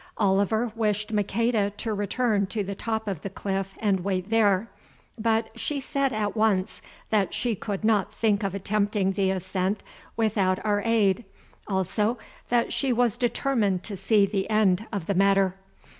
Oliver wished Maqueda to return to the top of the cliff and wait there, but she said at once that she could not think of attempting the ascent without our aid; also that she was determined to see the end of the matter.